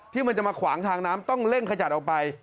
ที่มันจะมาขวางทางน้ำต้องเร่งขจัดออกไป